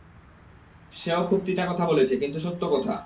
সেও খুব তিতা কথা বলেছে, কিন্তু সত্য কথা।